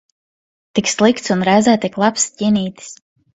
Tik slikts un reizē tik labs ķinītis.